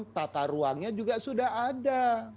tetapi dalam tata ruangnya juga sudah ada